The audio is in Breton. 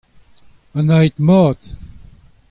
Anavezet-mat.